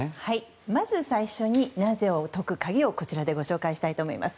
まず最初になぜを解く鍵をご紹介したいと思います。